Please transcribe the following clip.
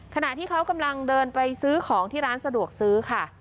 ขณะที่เขากำลังเดินไปซื้อของที่ร้านสะดวกซื้อค่ะ